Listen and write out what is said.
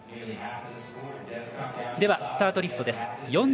スタートリストです。